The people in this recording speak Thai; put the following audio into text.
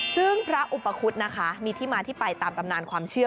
ซึ่งพระอุปคุฎนะคะมีที่มาที่ไปตามตำนานความเชื่อ